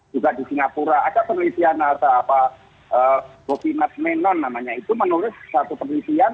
juga di singapura ada penelitian atau apa bobby mcmanon namanya itu menulis satu penelitian